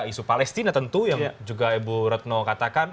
isu palestina tentu yang juga ibu retno katakan